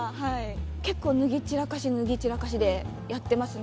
結構脱ぎ散らかし脱ぎ散らかしでやってますね。